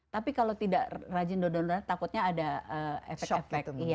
tapi kalau tidak rajin dodo takutnya ada efek efek